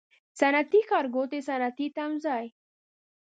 صنعتي ښارګوټی، صنعتي تمځای